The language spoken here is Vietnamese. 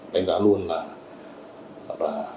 đánh giá luôn là